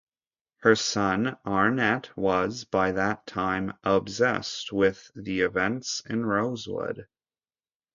Her son Arnett was, by that time, "obsessed" with the events in Rosewood.